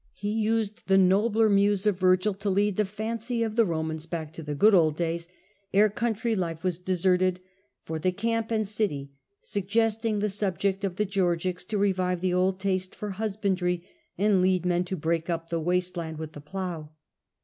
He used the nobler muse of Vergil to lead the fancy of the Romans back to the good old days, ere country life was deserted for the camp an^ city, suggesting the subject of the Georgies to revive the old taste for husbandry and lead men to break up the waste land with the plough.